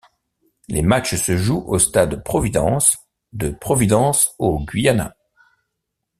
Les matchs se jouent au Stade Providence de Providence au Guyana.